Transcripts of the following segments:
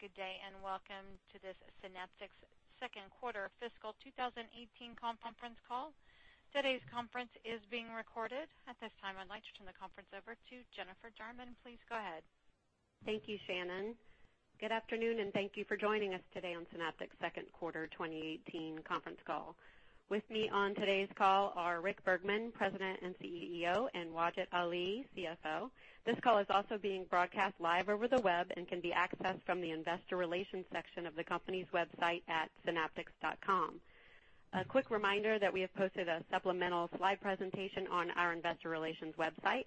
Good day, welcome to this Synaptics second quarter fiscal 2018 conference call. Today's conference is being recorded. At this time, I'd like to turn the conference over to Jennifer Jarman. Please go ahead. Thank you, Shannon. Good afternoon, thank you for joining us today on Synaptics' second quarter 2018 conference call. With me on today's call are Rick Bergman, President and CEO, and Wajid Ali, CFO. This call is also being broadcast live over the web and can be accessed from the investor relations section of the company's website at synaptics.com. A quick reminder that we have posted a supplemental slide presentation on our investor relations website.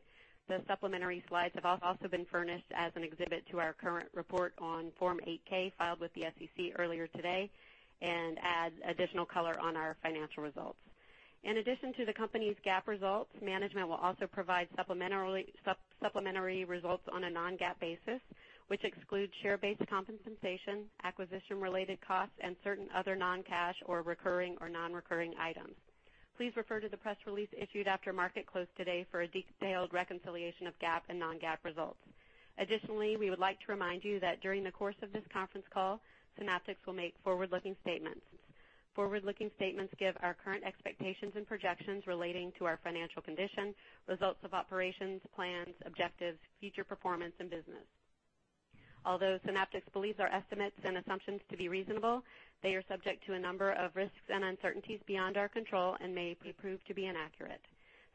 The supplementary slides have also been furnished as an exhibit to our current report on Form 8-K, filed with the SEC earlier today, adds additional color on our financial results. In addition to the company's GAAP results, management will also provide supplementary results on a non-GAAP basis, which excludes share-based compensation, acquisition related costs, and certain other non-cash or recurring or non-recurring items. Please refer to the press release issued after market close today for a detailed reconciliation of GAAP and non-GAAP results. Additionally, we would like to remind you that during the course of this conference call, Synaptics will make forward-looking statements. Forward-looking statements give our current expectations and projections relating to our financial condition, results of operations, plans, objectives, future performance, and business. Although Synaptics believes our estimates and assumptions to be reasonable, they are subject to a number of risks and uncertainties beyond our control and may be proved to be inaccurate.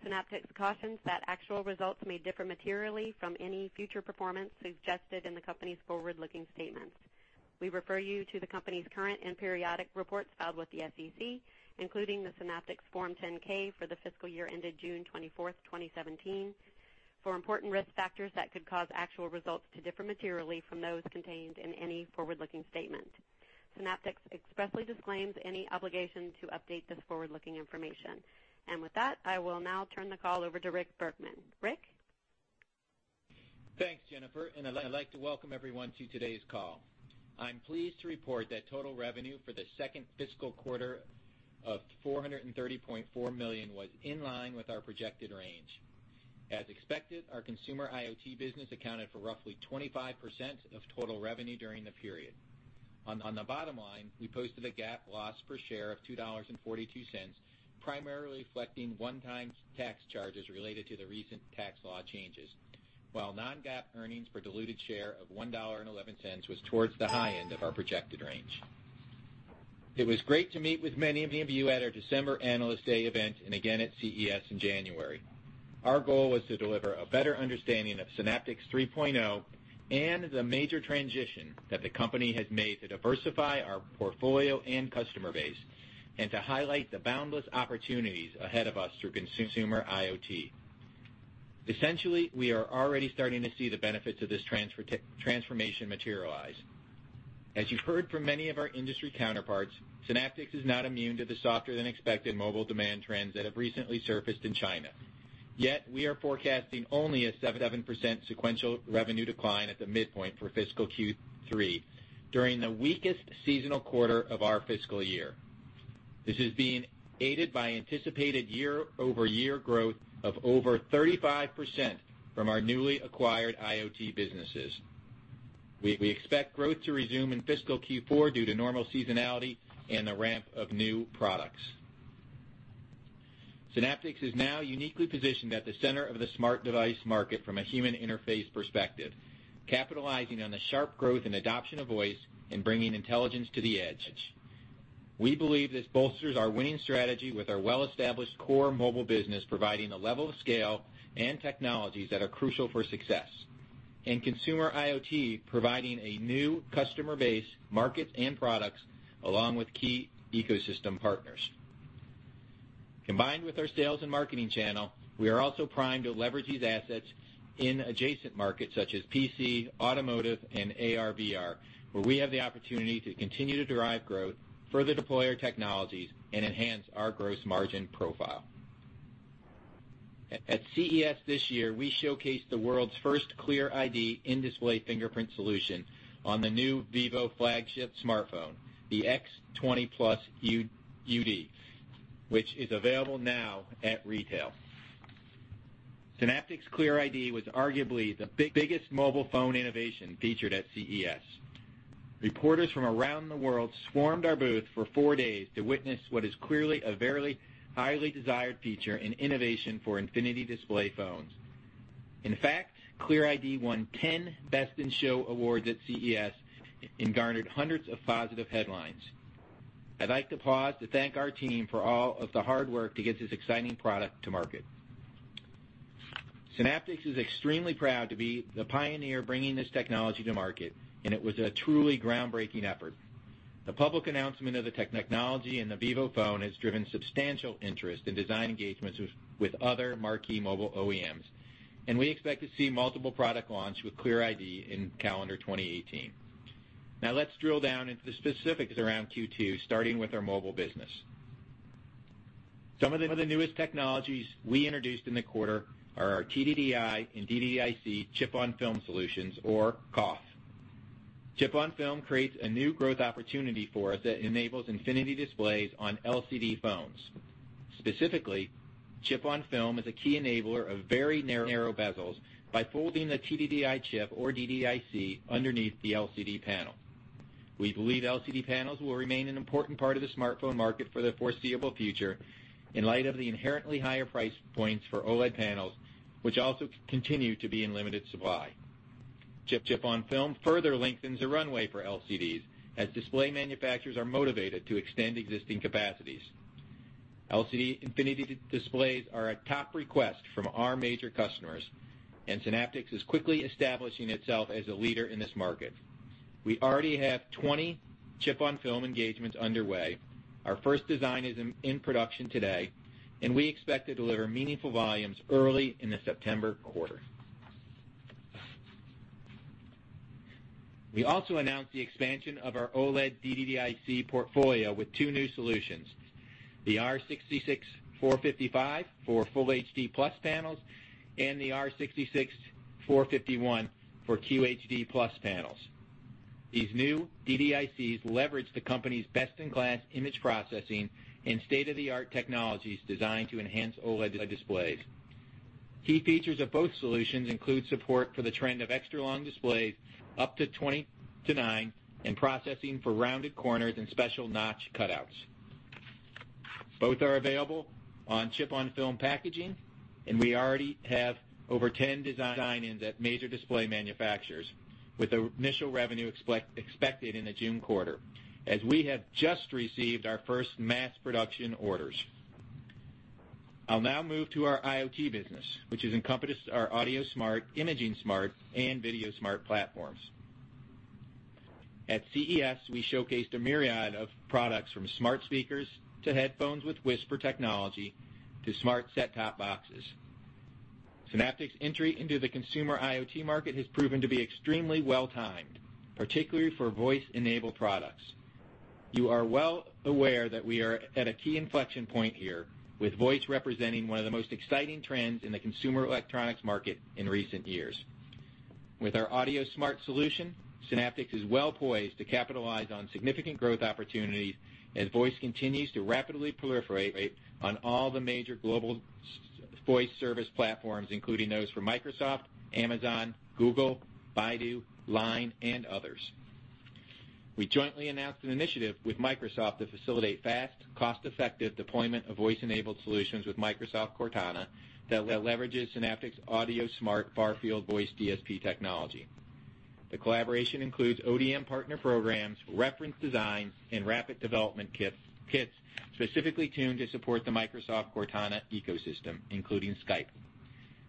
Synaptics cautions that actual results may differ materially from any future performance suggested in the company's forward-looking statements. We refer you to the company's current and periodic reports filed with the SEC, including the Synaptics Form 10-K for the fiscal year ended June 24th, 2017, for important risk factors that could cause actual results to differ materially from those contained in any forward-looking statement. Synaptics expressly disclaims any obligation to update this forward-looking information. With that, I will now turn the call over to Rick Bergman. Rick? Thanks, Jennifer, I'd like to welcome everyone to today's call. I'm pleased to report that total revenue for the second fiscal quarter of $430.4 million was in line with our projected range. As expected, our consumer IoT business accounted for roughly 25% of total revenue during the period. On the bottom line, we posted a GAAP loss per share of $2.42, primarily reflecting one-time tax charges related to the recent Tax Act changes, while non-GAAP earnings per diluted share of $1.11 was towards the high end of our projected range. It was great to meet with many of you at our December Analyst Day event and again at CES in January. Our goal was to deliver a better understanding of Synaptics 3.0 and the major transition that the company has made to diversify our portfolio and customer base, to highlight the boundless opportunities ahead of us through consumer IoT. Essentially, we are already starting to see the benefits of this transformation materialize. As you've heard from many of our industry counterparts, Synaptics is not immune to the softer than expected mobile demand trends that have recently surfaced in China. Yet, we are forecasting only a 7% sequential revenue decline at the midpoint for fiscal Q3 during the weakest seasonal quarter of our fiscal year. This is being aided by anticipated year-over-year growth of over 35% from our newly acquired IoT businesses. We expect growth to resume in fiscal Q4 due to normal seasonality and the ramp of new products. Synaptics is now uniquely positioned at the center of the smart device market from a human interface perspective, capitalizing on the sharp growth and adoption of voice and bringing intelligence to the edge. We believe this bolsters our winning strategy with our well-established core mobile business, providing the level of scale and technologies that are crucial for success. In consumer IoT, providing a new customer base, market, and products, along with key ecosystem partners. Combined with our sales and marketing channel, we are also primed to leverage these assets in adjacent markets such as PC, automotive, and AR/VR, where we have the opportunity to continue to derive growth, further deploy our technologies, and enhance our gross margin profile. At CES this year, we showcased the world's first Clear ID in-display fingerprint solution on the new Vivo flagship smartphone, the X20 Plus UD, which is available now at retail. Synaptics Clear ID was arguably the biggest mobile phone innovation featured at CES. Reporters from around the world swarmed our booth for four days to witness what is clearly a very highly desired feature and innovation for infinity display phones. In fact, Clear ID won 10 Best in Show awards at CES and garnered hundreds of positive headlines. I'd like to pause to thank our team for all of the hard work to get this exciting product to market. Synaptics is extremely proud to be the pioneer bringing this technology to market, it was a truly groundbreaking effort. The public announcement of the technology in the Vivo phone has driven substantial interest in design engagements with other marquee mobile OEMs, we expect to see multiple product launches with Clear ID in calendar 2018. Now let's drill down into the specifics around Q2, starting with our mobile business. Some of the newest technologies we introduced in the quarter are our TDDI and TDDI chip-on-film solutions, or COF. Chip-on-film creates a new growth opportunity for us that enables infinity displays on LCD phones. Specifically, chip-on-film is a key enabler of very narrow bezels by folding the DDIC chip or DDIC underneath the LCD panel. We believe LCD panels will remain an important part of the smartphone market for the foreseeable future in light of the inherently higher price points for OLED panels, which also continue to be in limited supply. Chip-on-film further lengthens the runway for LCDs as display manufacturers are motivated to extend existing capacities. LCD infinity displays are a top request from our major customers, and Synaptics is quickly establishing itself as a leader in this market. We already have 20 chip-on-film engagements underway. Our first design is in production today. We expect to deliver meaningful volumes early in the September quarter. We also announced the expansion of our OLED DDIC portfolio with two new solutions, the R66455 for full HD Plus panels and the R66451 for QHD Plus panels. These new DDICs leverage the company's best-in-class image processing and state-of-the-art technologies designed to enhance OLED displays. Key features of both solutions include support for the trend of extra-long displays up to 20:9 and processing for rounded corners and special notch cutouts. Both are available on chip-on-film packaging. We already have over 10 designs at major display manufacturers, with initial revenue expected in the June quarter, as we have just received our first mass production orders. I'll now move to our IoT business, which encompasses our AudioSmart, ImagingSmart, and VideoSmart platforms. At CES, we showcased a myriad of products from smart speakers to headphones with Whisper technology to smart set-top boxes. Synaptics' entry into the consumer IoT market has proven to be extremely well-timed, particularly for voice-enabled products. You are well aware that we are at a key inflection point here, with voice representing one of the most exciting trends in the consumer electronics market in recent years. With our AudioSmart solution, Synaptics is well poised to capitalize on significant growth opportunities as voice continues to rapidly proliferate on all the major global voice service platforms, including those from Microsoft, Amazon, Google, Baidu, LINE, and others. We jointly announced an initiative with Microsoft to facilitate fast, cost-effective deployment of voice-enabled solutions with Microsoft Cortana that leverages Synaptics AudioSmart far-field voice DSP technology. The collaboration includes ODM partner programs, reference designs, rapid development kits specifically tuned to support the Microsoft Cortana ecosystem, including Skype.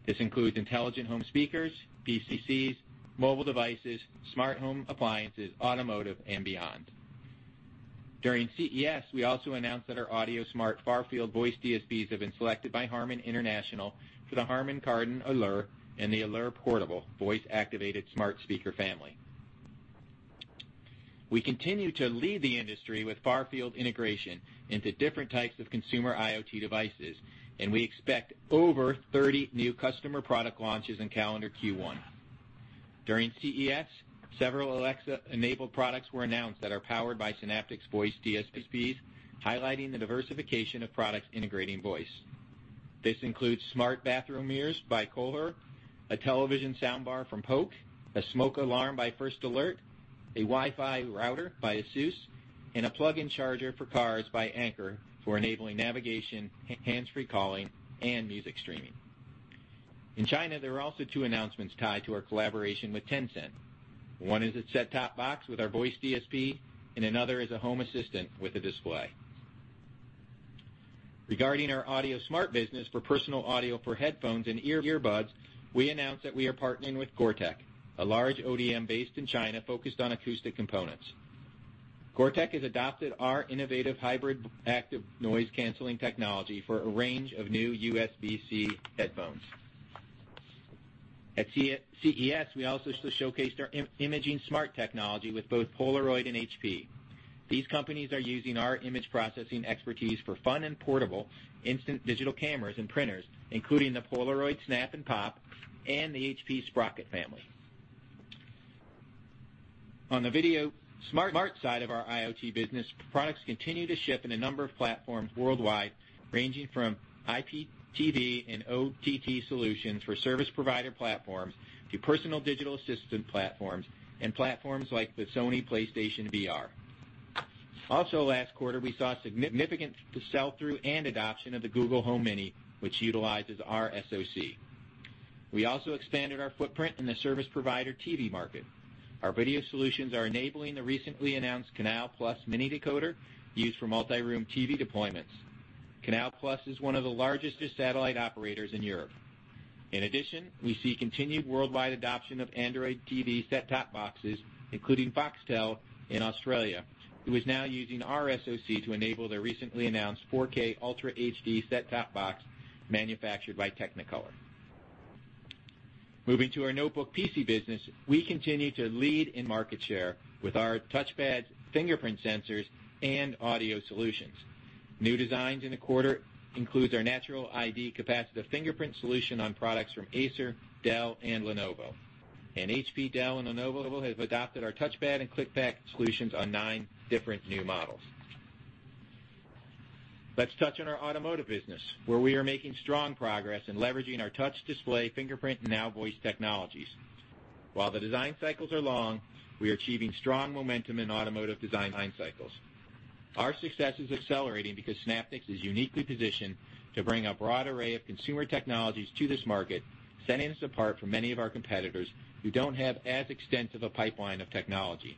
This includes intelligent home speakers, VCCs, mobile devices, smart home appliances, automotive, and beyond. During CES, we also announced that our AudioSmart far-field voice DSPs have been selected by HARMAN International for the Harman Kardon Allure and the Allure Portable voice-activated smart speaker family. We continue to lead the industry with far-field integration into different types of consumer IoT devices. We expect over 30 new customer product launches in calendar Q1. During CES, several Alexa-enabled products were announced that are powered by Synaptics Voice DSPs, highlighting the diversification of products integrating voice. This includes smart bathroom mirrors by Kohler, a television soundbar from Polk, a smoke alarm by First Alert, a Wi-Fi router by ASUS, and a plug-in charger for cars by Anker for enabling navigation, hands-free calling, and music streaming. In China, there are also two announcements tied to our collaboration with Tencent. One is a set-top box with our voice DSP, and another is a home assistant with a display. Regarding our AudioSmart business for personal audio for headphones and earbuds, we announced that we are partnering with Goertek, a large ODM based in China focused on acoustic components. Goertek has adopted our innovative hybrid active noise-canceling technology for a range of new USB-C headphones. At CES, we also showcased our ImagingSmart technology with both Polaroid and HP. These companies are using our image processing expertise for fun and portable instant digital cameras and printers, including the Polaroid Snap and Pop and the HP Sprocket family. On the VideoSmart side of our IoT business, products continue to ship in a number of platforms worldwide, ranging from IPTV and OTT solutions for service provider platforms to personal digital assistant platforms and platforms like the Sony PlayStation VR. Also last quarter, we saw significant sell-through and adoption of the Google Home Mini, which utilizes our SoC. We also expanded our footprint in the service provider TV market. Our video solutions are enabling the recently announced Canal+ mini decoder used for multi-room TV deployments. Canal+ is one of the largest satellite operators in Europe. In addition, we see continued worldwide adoption of Android TV set-top boxes, including Foxtel in Australia, who is now using our SoC to enable their recently announced 4K Ultra HD set-top box manufactured by Technicolor. Moving to our notebook PC business, we continue to lead in market share with our touchpads, fingerprint sensors, and audio solutions. New designs in the quarter include our Natural ID capacitive fingerprint solution on products from Acer, Dell, and Lenovo. HP, Dell, and Lenovo have adopted our TouchPad and ClickPad solutions on nine different new models. Let's touch on our automotive business, where we are making strong progress in leveraging our touch display, fingerprint, and now voice technologies. While the design cycles are long, we are achieving strong momentum in automotive design cycles. Our success is accelerating because Synaptics is uniquely positioned to bring a broad array of consumer technologies to this market, setting us apart from many of our competitors who don't have as extensive a pipeline of technology.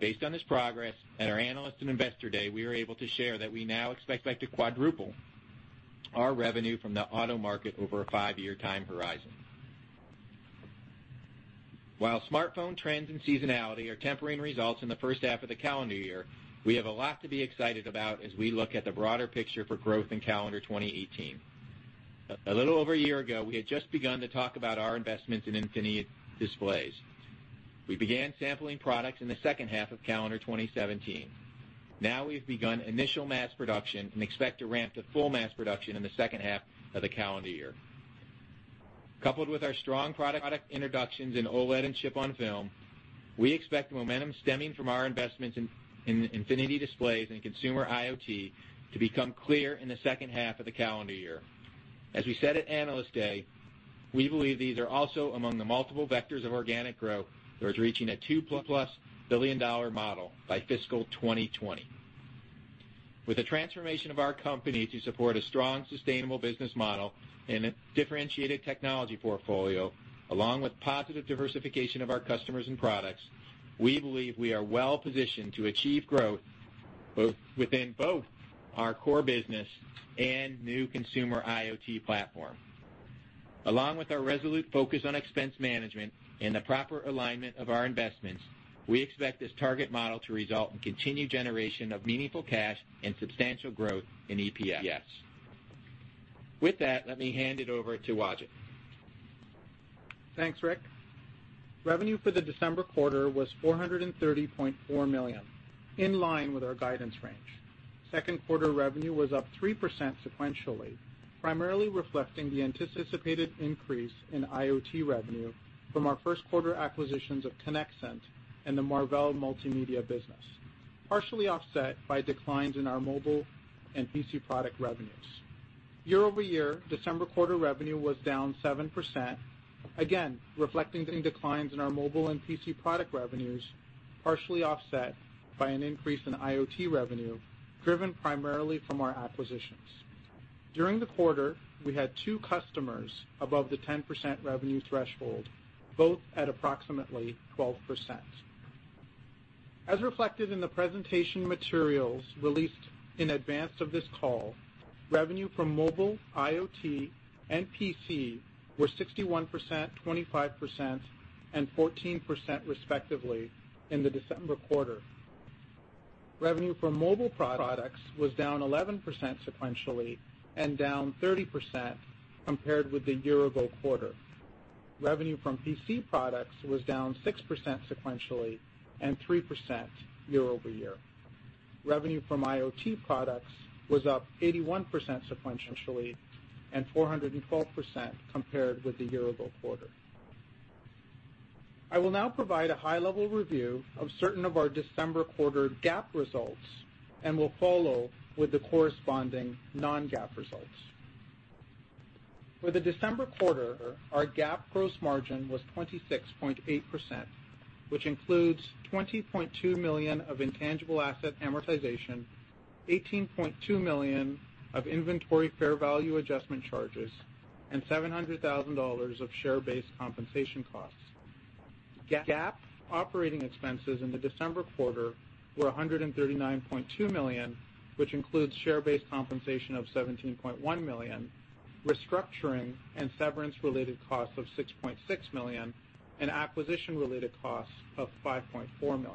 Based on this progress, at our Analyst and Investor Day, we were able to share that we now expect to quadruple our revenue from the auto market over a five-year time horizon. While smartphone trends and seasonality are tempering results in the first half of the calendar year, we have a lot to be excited about as we look at the broader picture for growth in calendar 2018. A little over a year ago, we had just begun to talk about our investments in Infinity displays. We began sampling products in the second half of calendar 2017. Now we've begun initial mass production and expect to ramp to full mass production in the second half of the calendar year. Coupled with our strong product introductions in OLED and chip-on-film, we expect the momentum stemming from our investments in Infinity displays and consumer IoT to become clear in the second half of the calendar year. As we said at Analyst Day, we believe these are also among the multiple vectors of organic growth towards reaching a $2 plus billion-dollar model by fiscal 2020. With the transformation of our company to support a strong, sustainable business model and a differentiated technology portfolio, along with positive diversification of our customers and products, we believe we are well-positioned to achieve growth within both our core business and new consumer IoT platform. Along with our resolute focus on expense management and the proper alignment of our investments, we expect this target model to result in continued generation of meaningful cash and substantial growth in EPS. With that, let me hand it over to Wajid. Thanks, Rick. Revenue for the December quarter was $430.4 million, in line with our guidance range. Second quarter revenue was up 3% sequentially, primarily reflecting the anticipated increase in IoT revenue from our first quarter acquisitions of Conexant and the Marvell multimedia business, partially offset by declines in our mobile and PC product revenues. Year-over-year, December quarter revenue was down 7%, again, reflecting the declines in our mobile and PC product revenues, partially offset by an increase in IoT revenue, driven primarily from our acquisitions. During the quarter, we had two customers above the 10% revenue threshold, both at approximately 12%. As reflected in the presentation materials released in advance of this call, revenue from mobile, IoT, and PC were 61%, 25%, and 14% respectively in the December quarter. Revenue from mobile products was down 11% sequentially and down 30% compared with the year-ago quarter. Revenue from PC products was down 6% sequentially and 3% year-over-year. Revenue from IoT products was up 81% sequentially and 412% compared with the year-ago quarter. I will now provide a high-level review of certain of our December quarter GAAP results and will follow with the corresponding non-GAAP results. For the December quarter, our GAAP gross margin was 26.8%, which includes $20.2 million of intangible asset amortization, $18.2 million of inventory fair value adjustment charges, and $700,000 of share-based compensation costs. GAAP operating expenses in the December quarter were $139.2 million, which includes share-based compensation of $17.1 million, restructuring and severance-related costs of $6.6 million, and acquisition-related costs of $5.4 million.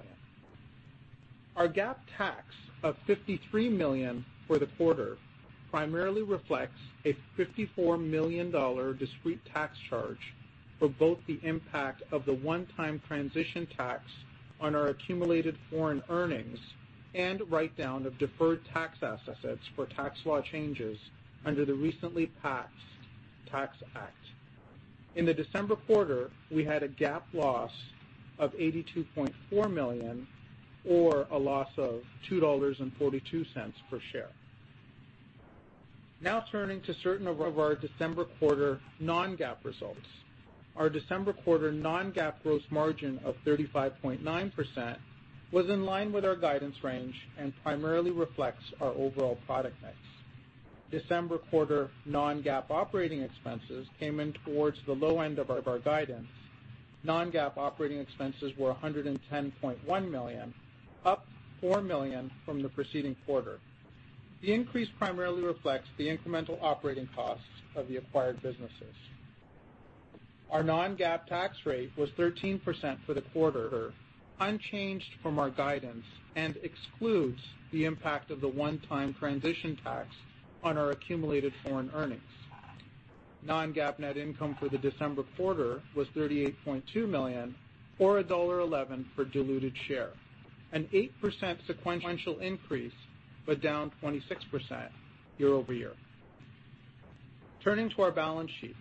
Our GAAP tax of $53 million for the quarter primarily reflects a $54 million discrete tax charge for both the impact of the one-time transition tax on our accumulated foreign earnings and write-down of deferred tax assets for tax law changes under the recently passed Tax Act. In the December quarter, we had a GAAP loss of $82.4 million or a loss of $2.42 per share. Now turning to certain of our December quarter non-GAAP results. Our December quarter non-GAAP gross margin of 35.9% was in line with our guidance range and primarily reflects our overall product mix. December quarter non-GAAP operating expenses came in towards the low end of our guidance. Non-GAAP operating expenses were $110.1 million, up $4 million from the preceding quarter. The increase primarily reflects the incremental operating costs of the acquired businesses. Our non-GAAP tax rate was 13% for the quarter, unchanged from our guidance, and excludes the impact of the one-time transition tax on our accumulated foreign earnings. Non-GAAP net income for the December quarter was $38.2 million or $1.11 per diluted share, an 8% sequential increase, but down 26% year-over-year. Turning to our balance sheet.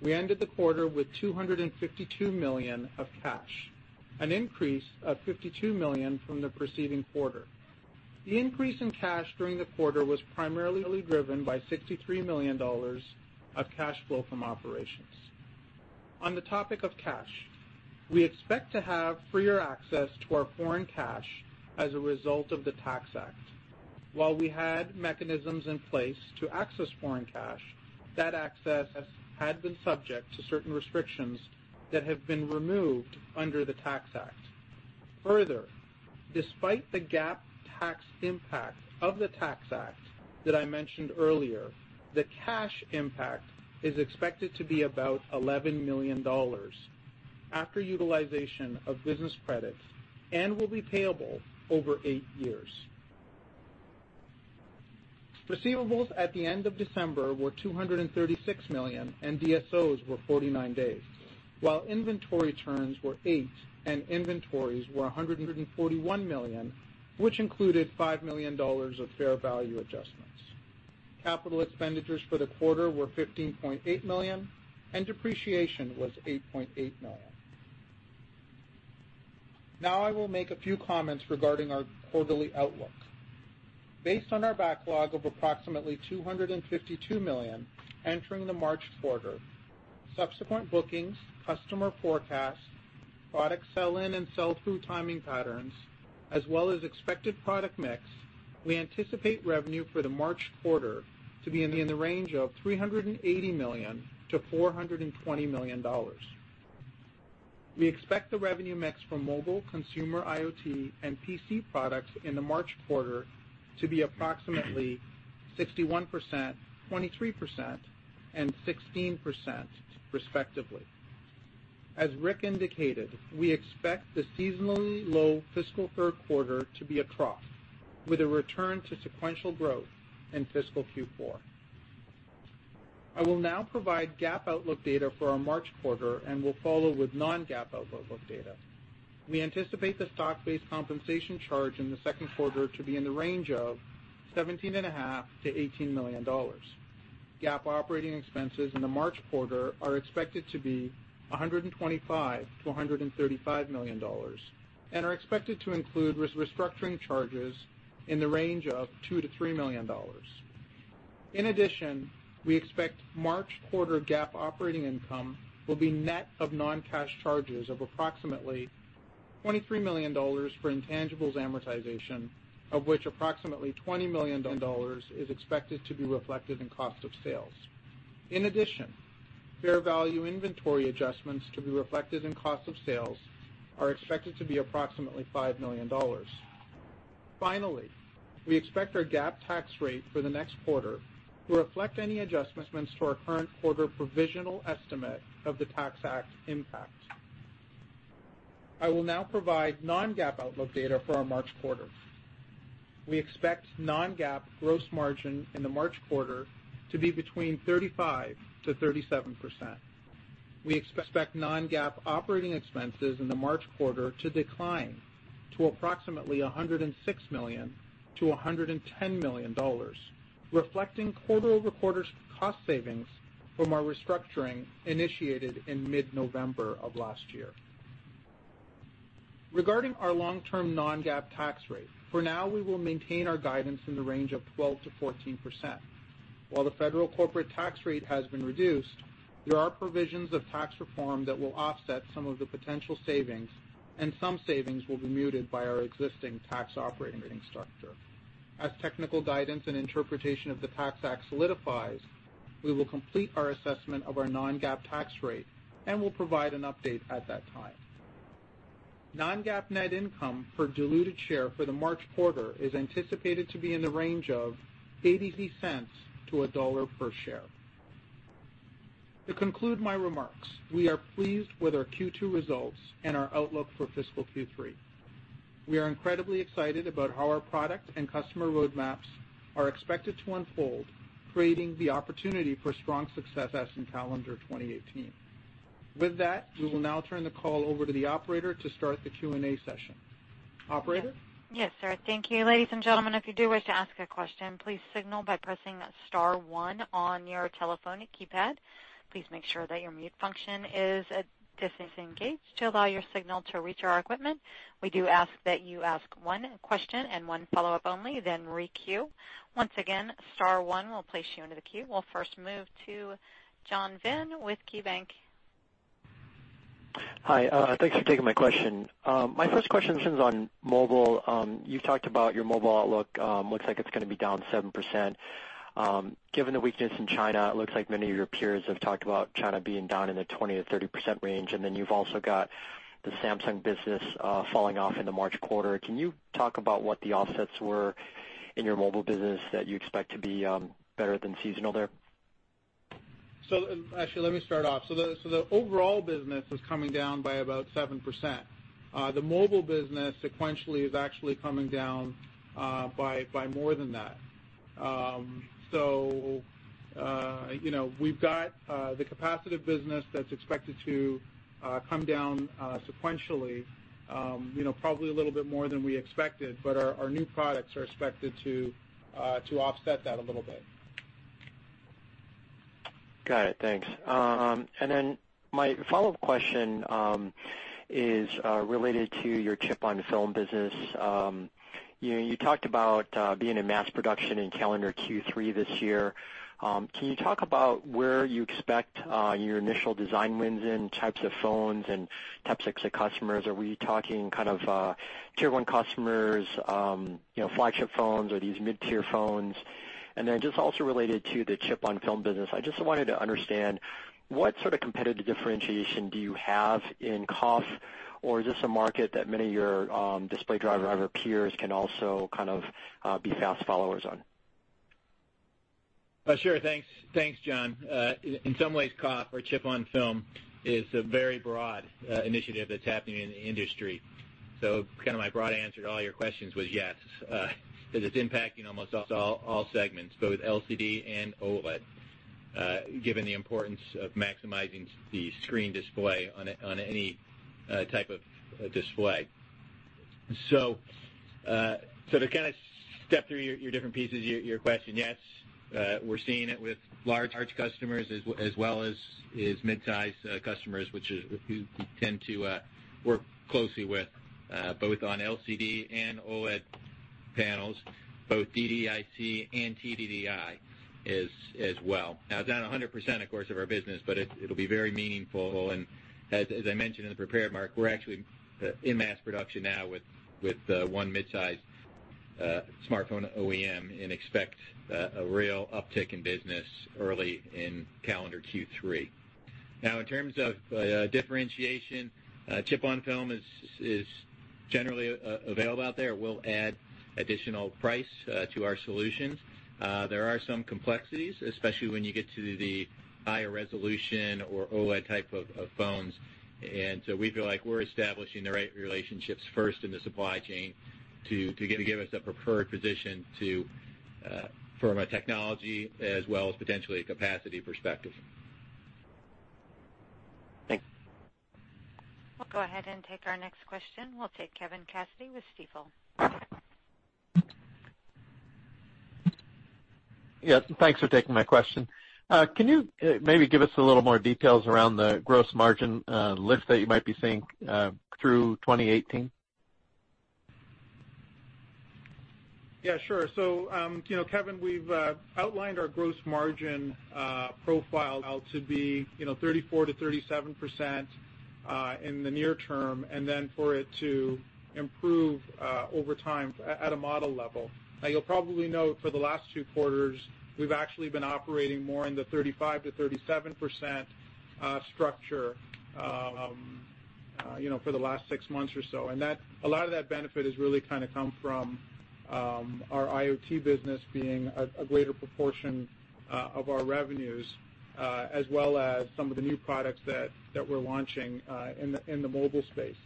We ended the quarter with $252 million of cash, an increase of $52 million from the preceding quarter. The increase in cash during the quarter was primarily driven by $63 million of cash flow from operations. On the topic of cash, we expect to have freer access to our foreign cash as a result of the Tax Act. While we had mechanisms in place to access foreign cash, that access had been subject to certain restrictions that have been removed under the Tax Act. Further, despite the GAAP tax impact of the Tax Act that I mentioned earlier, the cash impact is expected to be about $11 million after utilization of business credits and will be payable over eight years. Receivables at the end of December were $236 million, and DSOs were 49 days, while inventory turns were eight and inventories were $141 million, which included $5 million of fair value adjustments. Capital expenditures for the quarter were $15.8 million, and depreciation was $8.8 million. Now I will make a few comments regarding our quarterly outlook. Based on our backlog of approximately $252 million entering the March quarter, subsequent bookings, customer forecasts, product sell-in and sell-through timing patterns, as well as expected product mix, we anticipate revenue for the March quarter to be in the range of $380 million to $420 million. We expect the revenue mix for mobile consumer IoT and PC products in the March quarter to be approximately 61%, 23%, and 16%, respectively. As Rick indicated, we expect the seasonally low fiscal third quarter to be a trough with a return to sequential growth in fiscal Q4. I will now provide GAAP outlook data for our March quarter and will follow with non-GAAP outlook book data. We anticipate the stock-based compensation charge in the second quarter to be in the range of $17.5 million-$18 million. GAAP operating expenses in the March quarter are expected to be $125 million-$135 million and are expected to include restructuring charges in the range of $2 million-$3 million. In addition, we expect March quarter GAAP operating income will be net of non-cash charges of approximately $23 million for intangibles amortization, of which approximately $20 million is expected to be reflected in cost of sales. In addition, fair value inventory adjustments to be reflected in cost of sales are expected to be approximately $5 million. Finally, we expect our GAAP tax rate for the next quarter to reflect any adjustments to our current quarter provisional estimate of the Tax Act impact. I will now provide non-GAAP outlook data for our March quarter. We expect non-GAAP gross margin in the March quarter to be between 35%-37%. We expect non-GAAP operating expenses in the March quarter to decline to approximately $106 million-$110 million, reflecting quarter-over-quarter cost savings from our restructuring initiated in mid-November of last year. Regarding our long-term non-GAAP tax rate, for now, we will maintain our guidance in the range of 12%-14%. While the federal corporate tax rate has been reduced, there are provisions of tax reform that will offset some of the potential savings, and some savings will be muted by our existing tax operating structure. As technical guidance and interpretation of the Tax Act solidifies, we will complete our assessment of our non-GAAP tax rate and will provide an update at that time. Non-GAAP net income per diluted share for the March quarter is anticipated to be in the range of $0.83-$1.00 per share. To conclude my remarks, we are pleased with our Q2 results and our outlook for fiscal Q3. We are incredibly excited about how our product and customer roadmaps are expected to unfold, creating the opportunity for strong success in calendar 2018. With that, we will now turn the call over to the operator to start the Q&A session. Operator? Yes, sir. Thank you. Ladies and gentlemen, if you do wish to ask a question, please signal by pressing *1 on your telephone keypad. Please make sure that your mute function is disengaged to allow your signal to reach our equipment. We do ask that you ask one question and one follow-up only, then re-queue. Once again, *1 will place you into the queue. We'll first move to John Vinh with KeyBanc. Hi, thanks for taking my question. My first question is on mobile. You've talked about your mobile outlook. Looks like it is going to be down 7%. Given the weakness in China, it looks like many of your peers have talked about China being down in the 20% to 30% range, you have also got the Samsung business falling off in the March quarter. Can you talk about what the offsets were in your mobile business that you expect to be better than seasonal there? Actually, let me start off. The overall business is coming down by about 7%. The mobile business sequentially is actually coming down by more than that. We have got the capacitive business that is expected to come down sequentially, probably a little bit more than we expected, but our new products are expected to offset that a little bit. Got it. Thanks. My follow-up question is related to your chip-on-film business. You talked about being in mass production in calendar Q3 this year. Can you talk about where you expect your initial design wins in types of phones and types of customers? Are we talking tier 1 customers, flagship phones or these mid-tier phones? Just also related to the chip-on-film business, I just wanted to understand what sort of competitive differentiation do you have in CoF, or is this a market that many of your display driver peers can also be fast followers on? Sure. Thanks, John. In some ways, CoF or chip-on-film is a very broad initiative that is happening in the industry. My broad answer to all your questions was yes, because it is impacting almost all segments, both LCD and OLED, given the importance of maximizing the screen display on any type of display. To step through your different pieces of your question, yes, we are seeing it with large customers as well as mid-size customers, who we tend to work closely with, both on LCD and OLED panels, both DDIC and TDDI as well. Now, it is not 100%, of course, of our business, but it will be very meaningful. As I mentioned in the prepared mark, we are actually in mass production now with one mid-size smartphone OEM and expect a real uptick in business early in calendar Q3. Now, in terms of differentiation, chip-on-film is generally available out there. We'll add additional price to our solutions. There are some complexities, especially when you get to the higher resolution or OLED type of phones. We feel like we're establishing the right relationships first in the supply chain to give us a preferred position from a technology as well as potentially a capacity perspective. Thanks. We'll go ahead and take our next question. We'll take Kevin Cassidy with Stifel. Yeah. Thanks for taking my question. Can you maybe give us a little more details around the gross margin lift that you might be seeing through 2018? Yeah, sure. Kevin, we've outlined our gross margin profile out to be 34%-37% in the near term, then for it to improve over time at a model level. Now, you'll probably note for the last two quarters, we've actually been operating more in the 35%-37% structure for the last six months or so. A lot of that benefit has really come from our IoT business being a greater proportion of our revenues as well as some of the new products that we're launching in the mobile space.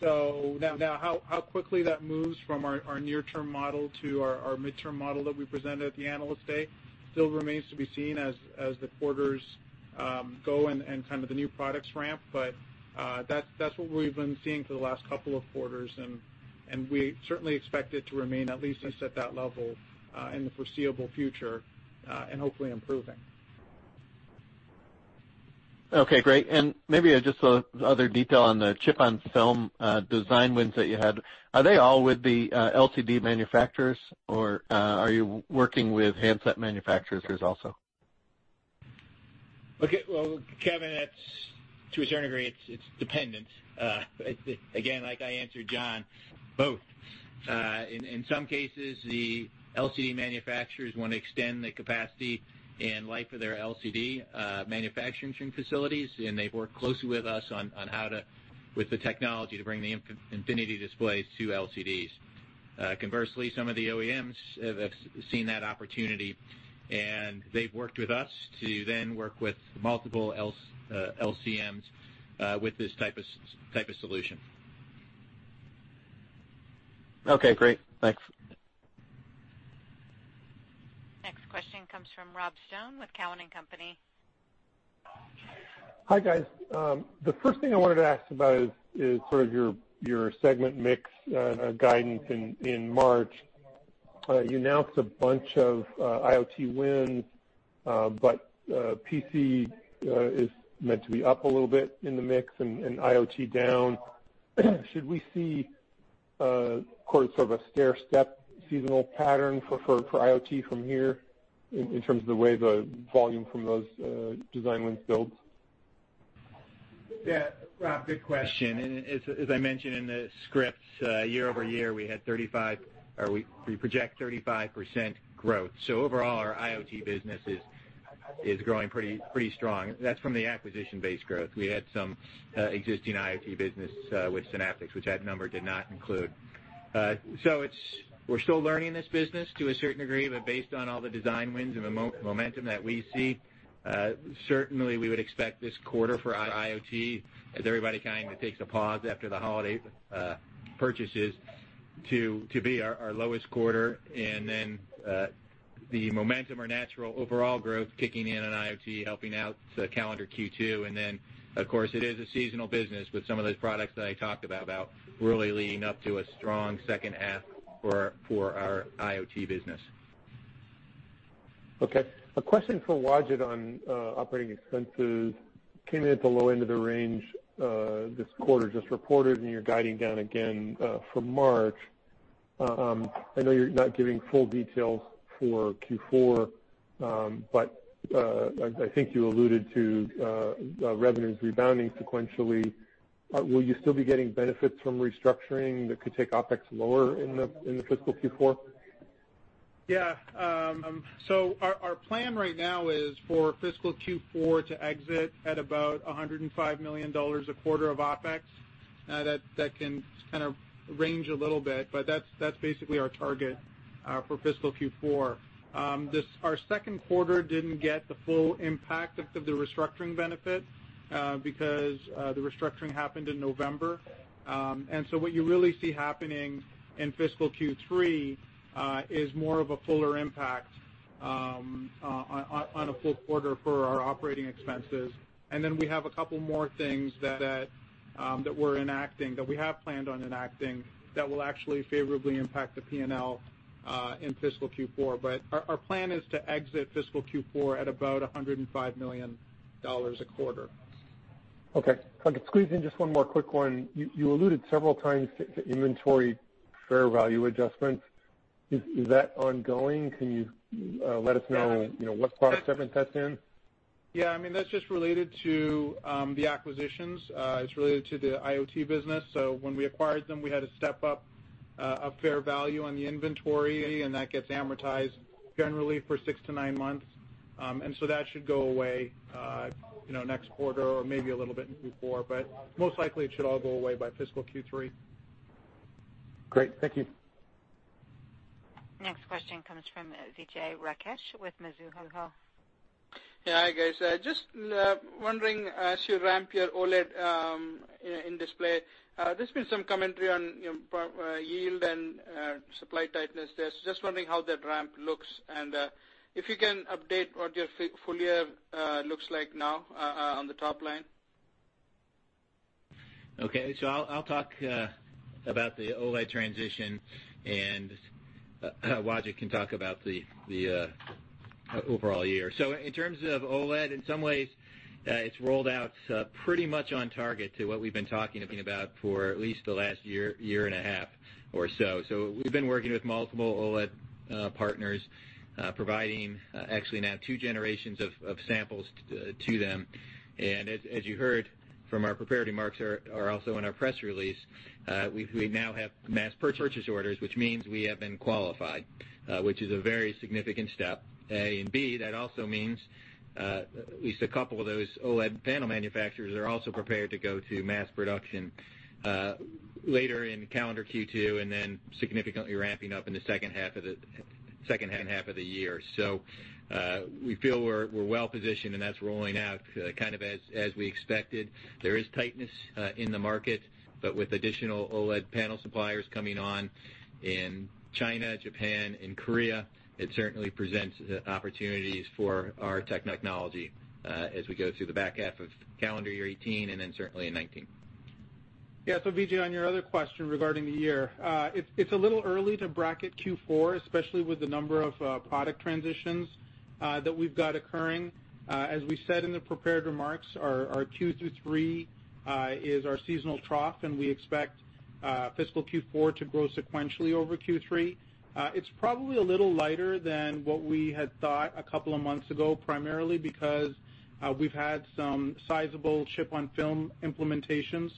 How quickly that moves from our near-term model to our mid-term model that we presented at the Analyst Day still remains to be seen as the quarters go and the new products ramp. That's what we've been seeing for the last couple of quarters, and we certainly expect it to remain at least just at that level in the foreseeable future, and hopefully improving. Okay, great. Maybe just the other detail on the chip-on-film design wins that you had. Are they all with the LCD manufacturers, or are you working with handset manufacturers also? Okay. Well, Kevin, to a certain degree, it's dependent. Again, like I answered John, both. In some cases, the LCD manufacturers want to extend the capacity and life of their LCD manufacturing facilities, and they've worked closely with us on how to, with the technology to bring the infinity displays to LCDs. Conversely, some of the OEMs have seen that opportunity, and they've worked with us to then work with multiple LCMs with this type of solution. Okay, great. Thanks. Next question comes from Rob Stone with Cowen and Company. Hi, guys. The first thing I wanted to ask about is your segment mix guidance in March. You announced a bunch of IoT wins, but PC is meant to be up a little bit in the mix and IoT down. Should we see sort of a stairstep seasonal pattern for IoT from here in terms of the way the volume from those design wins builds? Yeah. Rob, good question. As I mentioned in the script, year-over-year, we project 35% growth. Overall, our IoT business is growing pretty strong. That's from the acquisition-based growth. We had some existing IoT business with Synaptics, which that number did not include. We're still learning this business to a certain degree, but based on all the design wins and the momentum that we see, certainly we would expect this quarter for our IoT, as everybody kind of takes a pause after the holiday purchases, to be our lowest quarter. The momentum or natural overall growth kicking in on IoT helping out calendar Q2, and of course, it is a seasonal business, but some of those products that I talked about really leading up to a strong second half for our IoT business. Okay. A question for Wajid on operating expenses. Came in at the low end of the range this quarter just reported, you're guiding down again for March. I know you're not giving full details for Q4, but I think you alluded to revenues rebounding sequentially. Will you still be getting benefits from restructuring that could take OpEx lower in the fiscal Q4? Our plan right now is for fiscal Q4 to exit at about $105 million a quarter of OpEx. That can kind of range a little bit, but that's basically our target for fiscal Q4. Our second quarter didn't get the full impact of the restructuring benefit, because the restructuring happened in November. What you really see happening in fiscal Q3 is more of a fuller impact on a full quarter for our operating expenses. Then we have a couple more things that we're enacting, that we have planned on enacting that will actually favorably impact the P&L in fiscal Q4. Our plan is to exit fiscal Q4 at about $105 million a quarter. Okay. If I could squeeze in just one more quick one. You alluded several times to inventory fair value adjustments. Is that ongoing? Can you let us know- Yeah What product segment that's in? Yeah, that's just related to the acquisitions. It's related to the IoT business. When we acquired them, we had to step up a fair value on the inventory, and that gets amortized generally for six to nine months. That should go away next quarter or maybe a little bit in Q4, but most likely it should all go away by fiscal Q3. Great. Thank you. Next question comes from Vijay Rakesh with Mizuho. Yeah, hi guys. Just wondering as you ramp your OLED in-display, there's been some commentary on yield and supply tightness there. Just wondering how that ramp looks and if you can update what your full year looks like now on the top line. Okay. I'll talk about the OLED transition, and Wajid can talk about the overall year. In terms of OLED, in some ways it's rolled out pretty much on target to what we've been talking about for at least the last year and a half or so. We've been working with multiple OLED partners, providing actually now two generations of samples to them. As you heard from our prepared remarks are also in our press release, we now have mass purchase orders, which means we have been qualified, which is a very significant step. A and B, that also means at least a couple of those OLED panel manufacturers are also prepared to go to mass production later in calendar Q2 and then significantly ramping up in the second half of the year. We feel we're well positioned, and that's rolling out as we expected. There is tightness in the market, with additional OLED panel suppliers coming on in China, Japan and Korea, it certainly presents opportunities for our technology as we go through the back half of calendar year 2018 and certainly in 2019. Yeah. Vijay, on your other question regarding the year. It's a little early to bracket Q4, especially with the number of product transitions that we've got occurring. As we said in the prepared remarks, our Q3 is our seasonal trough, and we expect fiscal Q4 to grow sequentially over Q3. It's probably a little lighter than what we had thought a couple of months ago, primarily because we've had some sizable chip-on-film implementations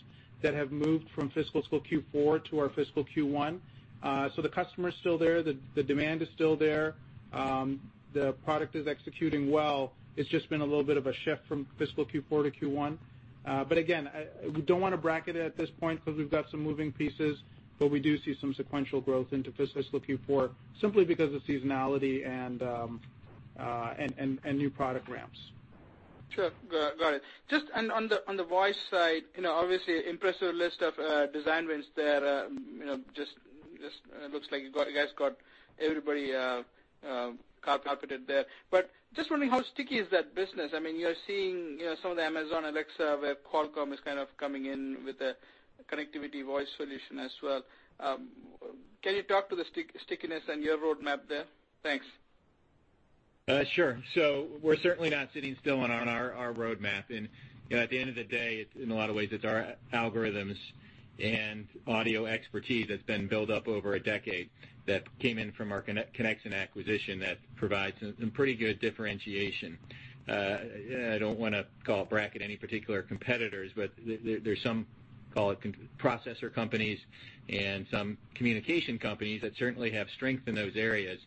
that have moved from fiscal Q4 to our fiscal Q1. The customer's still there, the demand is still there. The product is executing well. It's just been a little bit of a shift from fiscal Q4 to Q1. Again, we don't want to bracket it at this point because we've got some moving pieces, but we do see some sequential growth into fiscal Q4 simply because of seasonality and new product ramps. Sure. Got it. Just on the voice side, obviously impressive list of design wins there. Just looks like you guys got everybody carpeted there. Just wondering, how sticky is that business? You're seeing some of the Amazon Alexa, where Qualcomm is kind of coming in with a connectivity voice solution as well. Can you talk to the stickiness on your roadmap there? Thanks. Sure. We're certainly not sitting still on our roadmap. At the end of the day, in a lot of ways, it's our algorithms and audio expertise that's been built up over a decade that came in from our Conexant acquisition that provides some pretty good differentiation. I don't want to call a bracket any particular competitors, there's some, call it processor companies and some communication companies that certainly have strength in those areas,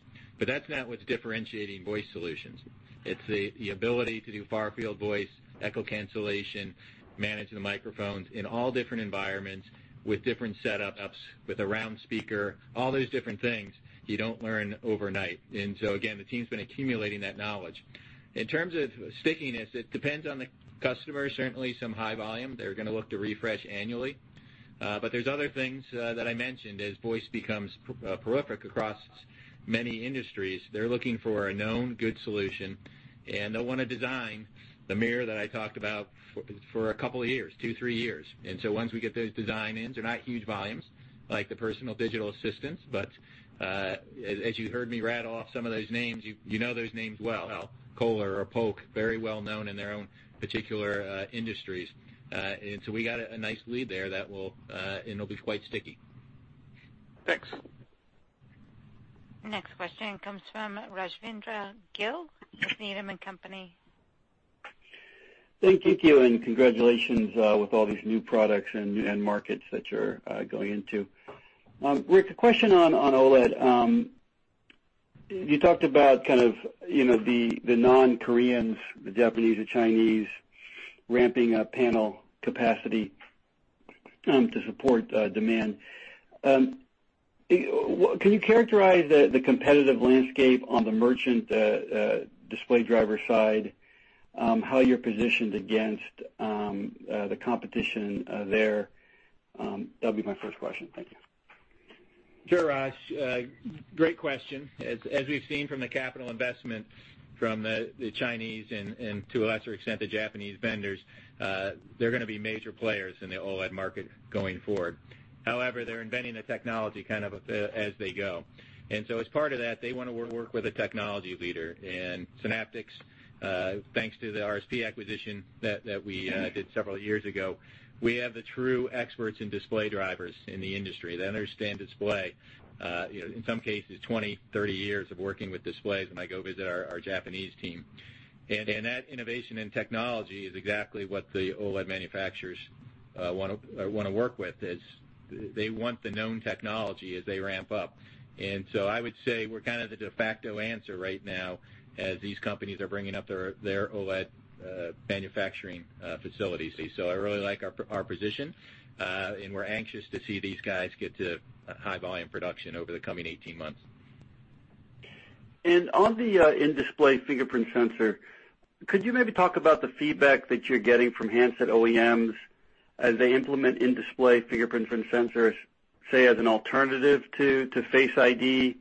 that's not what's differentiating voice solutions. It's the ability to do far-field voice, echo cancellation, manage the microphones in all different environments with different setups, with a round speaker, all those different things you don't learn overnight. Again, the team's been accumulating that knowledge. In terms of stickiness, it depends on the customer. Certainly, some high volume, they're going to look to refresh annually. There's other things that I mentioned. As voice becomes prolific across many industries, they're looking for a known good solution, they'll want to design the mirror that I talked about for a couple of years, two, three years. Once we get those design in, they're not huge volumes like the personal digital assistants, but as you heard me rattle off some of those names, you know those names well. Kohler or Polk, very well known in their own particular industries. We got a nice lead there, and it'll be quite sticky. Thanks. Next question comes from Rajvindra Gill with Needham & Company. Thank you, congratulations with all these new products and markets that you're going into. Rick, a question on OLED. You talked about the non-Koreans, the Japanese, the Chinese, ramping up panel capacity to support demand. Can you characterize the competitive landscape on the merchant display driver side, how you're positioned against the competition there? That'll be my first question. Thank you. Sure, Raj. Great question. As we've seen from the capital investment from the Chinese and to a lesser extent, the Japanese vendors, they're going to be major players in the OLED market going forward. However, they're inventing the technology as they go. As part of that, they want to work with a technology leader. Synaptics, thanks to the RSP acquisition that we did several years ago, we have the true experts in display drivers in the industry. They understand display, in some cases, 20, 30 years of working with displays when I go visit our Japanese team. That innovation in technology is exactly what the OLED manufacturers want to work with, as they want the known technology as they ramp up. I would say we're the de facto answer right now as these companies are bringing up their OLED manufacturing facilities. I really like our position. We're anxious to see these guys get to high volume production over the coming 18 months. On the in-display fingerprint sensor, could you maybe talk about the feedback that you're getting from handset OEMs as they implement in-display fingerprint sensors, say, as an alternative to Face ID,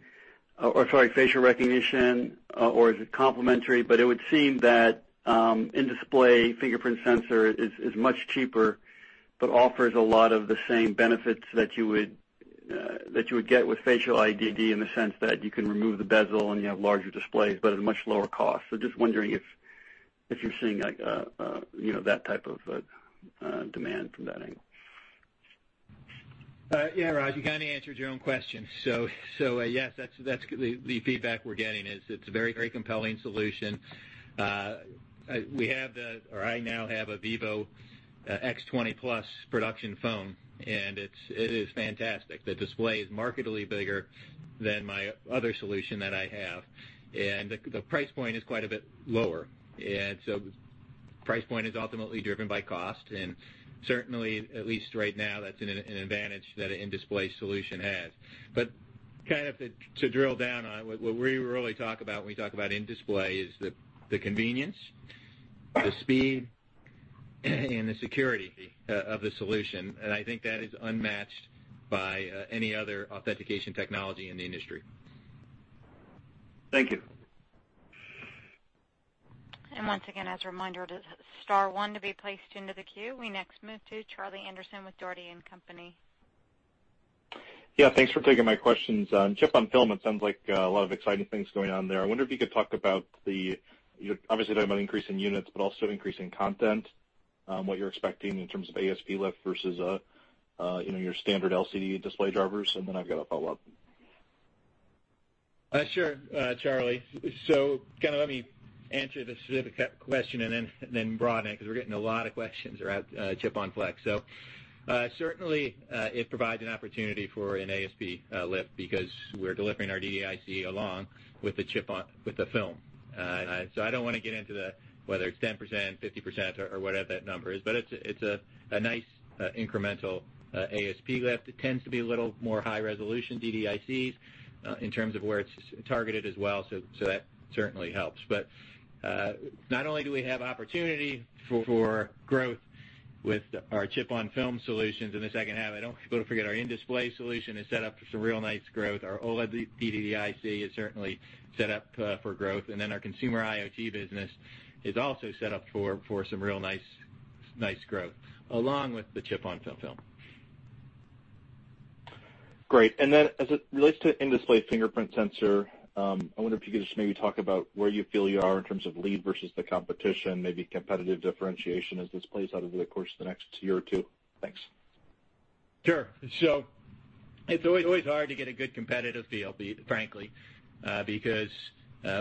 or, sorry, facial recognition, or is it complementary? It would seem that in-display fingerprint sensor is much cheaper but offers a lot of the same benefits that you would get with facial ID in the sense that you can remove the bezel and you have larger displays, but at a much lower cost. Just wondering if you're seeing that type of demand from that angle. Yeah, Raj, you kind of answered your own question. Yes, that's the feedback we're getting, is it's a very compelling solution. I now have a Vivo X20 Plus production phone, and it is fantastic. The display is markedly bigger than my other solution that I have. The price point is quite a bit lower. The price point is ultimately driven by cost, and certainly, at least right now, that's an advantage that an in-display solution has. To drill down on it, what we really talk about when we talk about in-display is the convenience, the speed, and the security of the solution. I think that is unmatched by any other authentication technology in the industry. Thank you. Once again, as a reminder, star one to be placed into the queue. We next move to Charlie Anderson with Dougherty & Company. Thanks for taking my questions. Chip-on-film, it sounds like a lot of exciting things going on there. I wonder if you could talk about the, obviously you're talking about increasing units, but also increasing content, what you're expecting in terms of ASP lift versus your standard LCD display drivers. I've got a follow-up. Sure, Charlie. Let me answer the specific question and then broaden it, because we're getting a lot of questions around chip-on-film. Certainly, it provides an opportunity for an ASP lift because we're delivering our DDIC along with the film. I don't want to get into whether it's 10%, 50%, or whatever that number is. It's a nice incremental ASP lift. It tends to be a little more high resolution DDICs in terms of where it's targeted as well. That certainly helps. Not only do we have opportunity for growth with our chip-on-film solutions in the second half, I don't want to forget our in-display solution is set up for some real nice growth. Our OLED DDIC is certainly set up for growth. Our Consumer IoT business is also set up for some real nice growth along with the chip-on-film. Great. As it relates to in-display fingerprint sensor, I wonder if you could just maybe talk about where you feel you are in terms of lead versus the competition, maybe competitive differentiation as this plays out over the course of the next year or two. Thanks. Sure. It's always hard to get a good competitive feel, frankly, because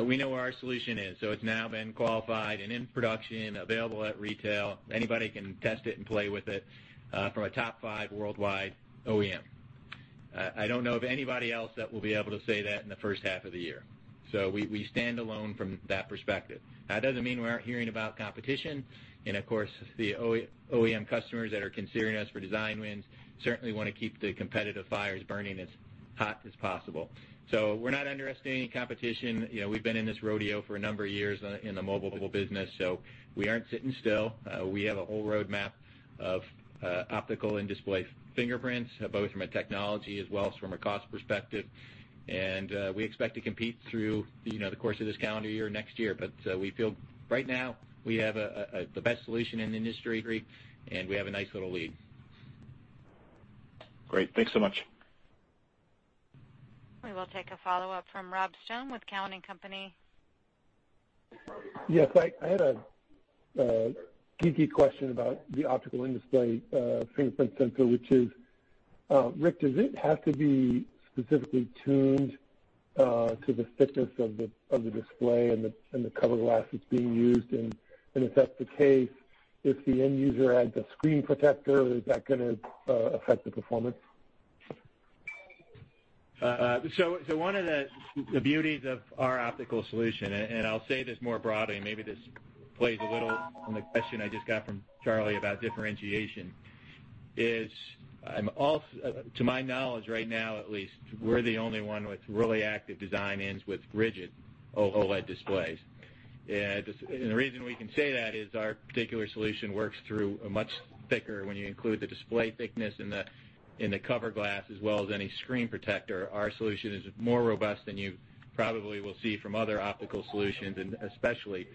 we know where our solution is. It's now been qualified and in production, available at retail. Anybody can test it and play with it from a top five worldwide OEM. I don't know of anybody else that will be able to say that in the first half of the year. We stand alone from that perspective. That doesn't mean we aren't hearing about competition. Of course, the OEM customers that are considering us for design wins certainly want to keep the competitive fires burning as hot as possible. We're not underestimating any competition. We've been in this rodeo for a number of years in the mobile business, so we aren't sitting still. We have a whole roadmap of optical in-display fingerprints, both from a technology as well as from a cost perspective. We expect to compete through the course of this calendar year, next year. We feel right now we have the best solution in the industry, and we have a nice little lead. Great. Thanks so much. We will take a follow-up from Rob Stone with Cowen and Company. I had a geeky question about the optical in-display fingerprint sensor, which is, Rick, does it have to be specifically tuned to the thickness of the display and the cover glass that's being used? If that's the case, if the end user adds a screen protector, is that going to affect the performance? One of the beauties of our optical solution, and I'll say this more broadly, maybe this plays a little on the question I just got from Charlie, about differentiation, is to my knowledge right now at least, we're the only one with really active design-ins with rigid OLED displays. The reason we can say that is our particular solution works through a much thicker when you include the display thickness and the cover glass as well as any screen protector. Our solution is more robust than you probably will see from other optical solutions, and especially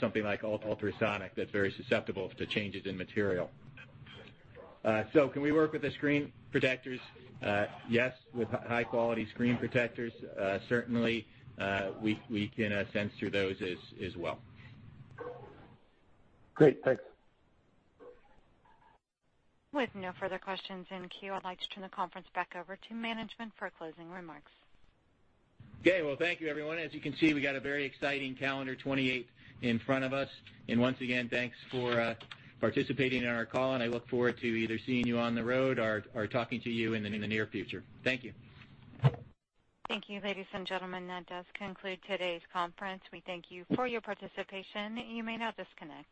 something like ultrasonic that's very susceptible to changes in material. Can we work with the screen protectors? Yes, with high-quality screen protectors, certainly, we can sense through those as well. Great. Thanks. With no further questions in queue, I'd like to turn the conference back over to management for closing remarks. Okay. Well, thank you everyone. As you can see, we got a very exciting calendar 2018 in front of us. Once again, thanks for participating in our call, and I look forward to either seeing you on the road or talking to you in the near future. Thank you. Thank you, ladies and gentlemen. That does conclude today's conference. We thank you for your participation. You may now disconnect.